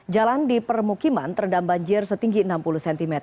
jalan di permukiman terendam banjir setinggi enam puluh cm